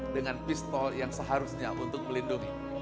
dengan pistol yang seharusnya untuk melindungi